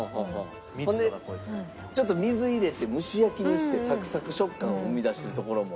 ほんでちょっと水入れて蒸し焼きにしてサクサク食感を生み出してるところも。